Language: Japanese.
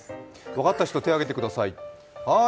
分かった人、手を上げてください。